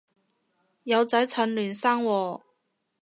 有仔趁嫩生喎